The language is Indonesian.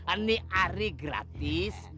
ini hari gratis